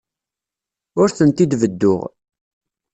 Ur tent-id-bedduɣ.